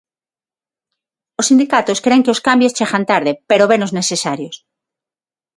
Os sindicatos cren que os cambios chegan tarde, pero venos necesarios.